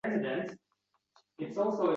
U boshini quyi solgancha chiqdi.